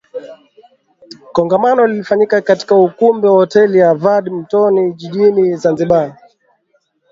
Kongamano lilifanyika katika ukumbi wa Hoteli ya Verde Mtoni Jijini Zanzibar